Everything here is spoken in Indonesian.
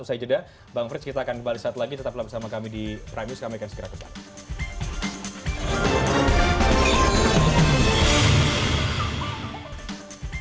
setelah itu bang frits kita akan kembali lagi tetap bersama kami di prime news kami akan segera kembali